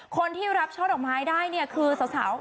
คนที่รับช่อดอกไม้ได้เนี่ยคือสาว